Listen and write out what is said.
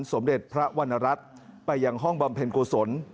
สมเด็จพระวรรณรัฐไปยังห้องบำเพ็ญกุศล